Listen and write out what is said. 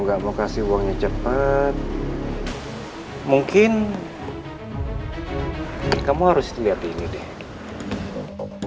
nggak mau kasih uangnya aku kasih uangnya kamu nggak mau kasih uangnya aku kasih uangnya aku